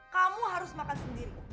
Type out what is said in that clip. kamu harus makan sendiri